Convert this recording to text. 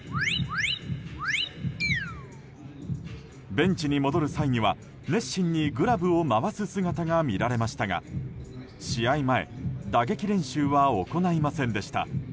ベンチに戻る際には、熱心にグラブを回す姿が見られましたが試合前、打撃練習は行いませんでした。